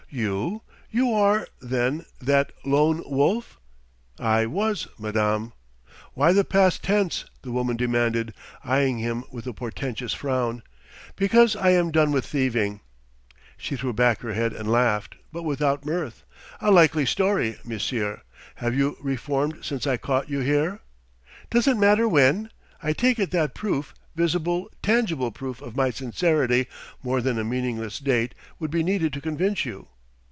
"You? You are, then, that Lone Wolf?" "I was, madame." "Why the past tense?" the woman demanded, eyeing him with a portentous frown. "Because I am done with thieving." She threw back her head and laughed, but without mirth: "A likely story, monsieur! Have you reformed since I caught you here ?" "Does it matter when? I take it that proof, visible, tangible proof of my sincerity, more than a meaningless date, would be needed to convince you."